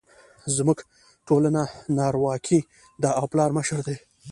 زموږ ټولنه نرواکې ده او پلار مشر دی